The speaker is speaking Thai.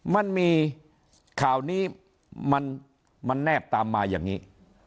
มันมีข่าวนี้มันแนบตามมาอย่างนี้